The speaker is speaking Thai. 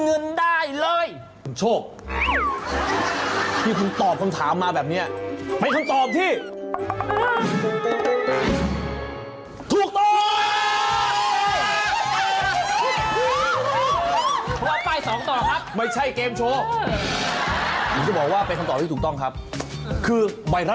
สุดท้ายแล้วกางเกงตัวนั้นเนี่ยไปลืมไปในเครื่องซักผ้า